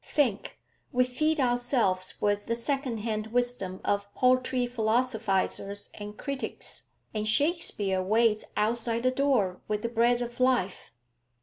Think; we feed ourselves with the secondhand wisdom of paltry philosophisers and critics, and Shakespeare waits outside the door with the bread of life.